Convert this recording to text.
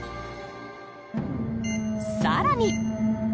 更に。